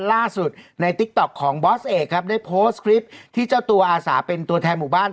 ล่าสุดในติ๊กต๊อกของบอสเอกครับได้โพสต์คลิปที่เจ้าตัวอาสาเป็นตัวแทนหมู่บ้าน